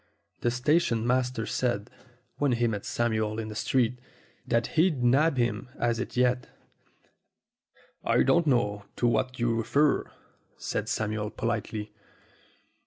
The sta tion master said, when he met Samuel in the street, that he'd nab him at it yet. "I don't know to what you refer," said Samuel politely.